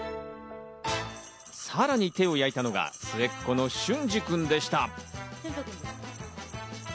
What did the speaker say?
さらに手を焼いたのが末っ子の隼司君でした。